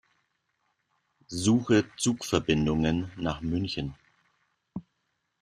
Suche Zugverbindungen nach München.